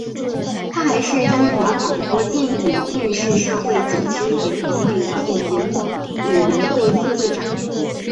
他还是中国广播电影电视社会组织联合会演员委员会副会长。